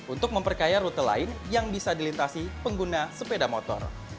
untuk memperkaya rute lain yang bisa dilintasi pengguna sepeda motor